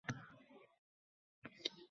u o'rnidan turmadi"